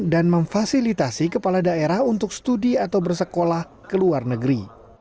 dan memfasilitasi kepala daerah untuk studi atau bersekolah ke luar negeri